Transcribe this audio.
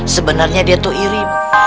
sebenernya dia tuh iri